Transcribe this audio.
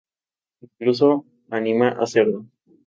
Incluso anima a hacerlo.